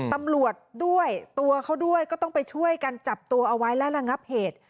ตำรวจด้วยตัวเขาด้วยก็ต้องไปช่วยกันจับตัวเอาไว้และระงับเหตุ